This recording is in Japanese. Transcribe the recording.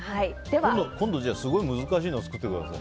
今度、じゃあすごい難しいの作ってください。